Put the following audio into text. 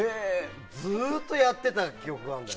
ずっとやっていた記憶があるんだよね。